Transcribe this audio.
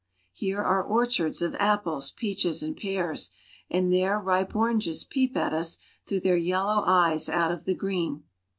Here are orchards of apples, peaches, and pears, and there ripe oranges peep at us through their yellow eyes out of the green.